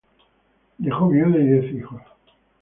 Dejó viuda y diez hijos.